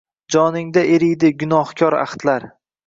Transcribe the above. joningda eriydi gunohkor ahdlar.